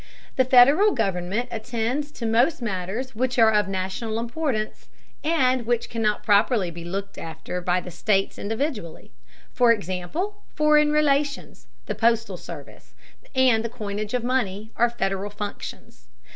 The Federal government attends to most matters which are of national importance, and which cannot properly be looked after by the states individually. For example, foreign relations, the postal service, and the coinage of money, are Federal functions.